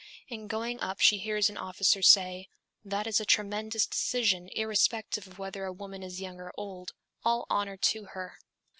In going up she hears an officer say, 'That is a tremendous decision irrespective of whether a woman is young or old; all honor to her!'